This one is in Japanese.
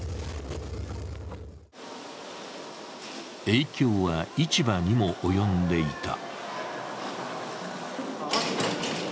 影響は、市場にも及んでいた。